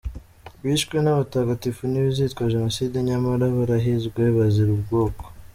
bishwe n’abatagatifu ntibizitwa jenoside nyamara barahizwe bazira ubwoko.